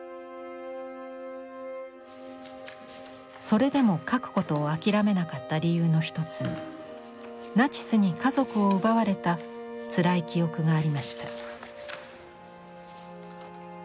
それでも描くことを諦めなかった理由の一つにナチスに家族を奪われたつらい記憶がありました。